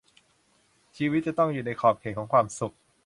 ชีวิตจะต้องอยู่ในขอบเขตของความสุข